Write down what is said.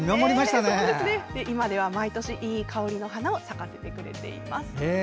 今では毎年いい香りの花を咲かせてくれています。